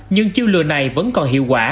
nhưng chiêu lừa này vẫn còn hiệu quả